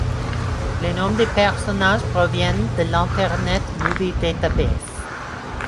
Les noms des personnages proviennent de l'Internet Movie Database.